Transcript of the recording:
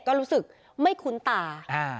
ก็รู้สึกไม่คุ้นตา